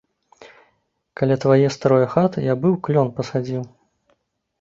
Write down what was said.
Каля твае старое хаты я быў клён пасадзіў.